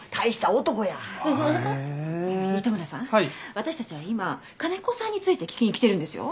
私たちは今金子さんについて聞きに来てるんですよ。